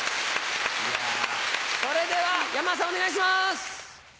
それでは山田さんお願いします！